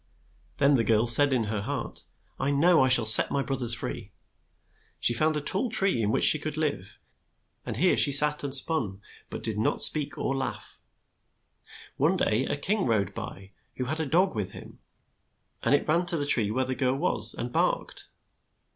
Then the girl said in her heart, "I know I shall set my broth ers free." She found a tall tree in which she could live, and here she sat and spun, but did not speak or laugh. One day a king rode by who had a dog with him, and it ran to the tree where the girl was and barked.